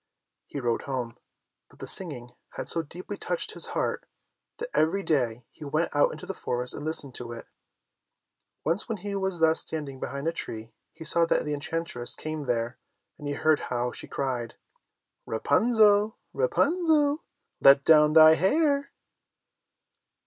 He rode home, but the singing had so deeply touched his heart, that every day he went out into the forest and listened to it. Once when he was thus standing behind a tree, he saw that an enchantress came there, and he heard how she cried, "Rapunzel, Rapunzel, Let down thy hair."